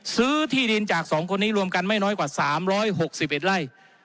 ซื้อที่ดินจาก๒คนนี้รวมกันไม่น้อยกว่า๓๖๑ไร่